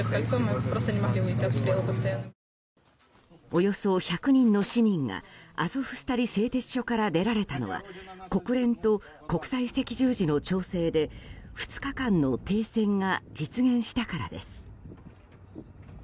およそ１００人の市民がアゾフスタリ製鉄所から出られたのは国連と国際赤十字の調整で２日間の停戦が実現したからです。